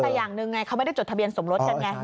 แต่อย่างหนึ่งไงเขาไม่ได้จดทะเบียนสมรสกันไง